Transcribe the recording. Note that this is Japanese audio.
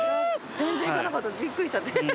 全然いかなくてびっくりしちゃって。